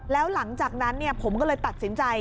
แล้วหลังจากนั้นผมก็เลยตัดสินใจ